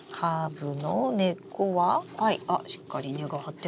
あっしっかり根が張ってます。